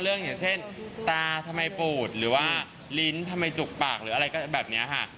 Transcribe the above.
อย่างเช่นตาทำไมปูดหรือว่าลิ้นทำไมจุกปากหรืออะไรแบบนี้ค่ะ